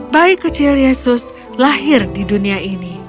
bayi kecil yesus lahir di dunia ini